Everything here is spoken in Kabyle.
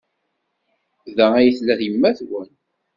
Da ay tella yemma-twen?